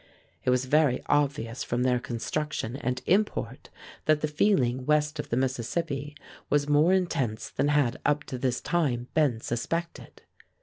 It was very obvious from their construction and import that the feeling west of the Mississippi was more intense than had up to this time been suspected.